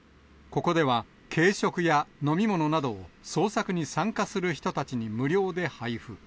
ここでは、軽食や飲み物など、捜索に参加する人たちに無料で配布。